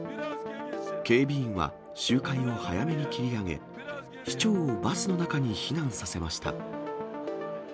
警備員は集会を早めに切り上げ、市長をバスの中に避難させました。